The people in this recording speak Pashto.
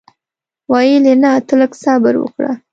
ویل یې نه ته لږ صبر وکړه.